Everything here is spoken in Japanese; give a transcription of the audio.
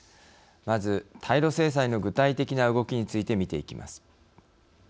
まず、対ロ制裁の具体的な動きについて見ていきます。